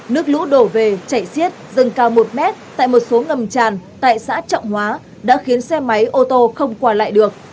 nước lũ đổ về chảy xiết dâng cao một mét tại một số ngầm tràn tại xã trọng hóa đã khiến xe máy ô tô không qua lại được